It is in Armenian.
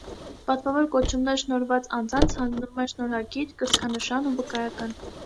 Պատվավոր կոչումներ շնորհված անձանց հանձնվում են շնորհագիր, կրծքանշան ու վկայական։